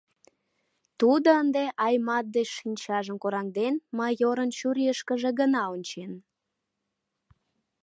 Тудо ынде Аймат деч шинчажым кораҥден, майорын чурийышкыже гына ончен.